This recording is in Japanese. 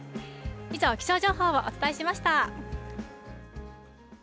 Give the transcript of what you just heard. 以上、気象情報をお伝えしました。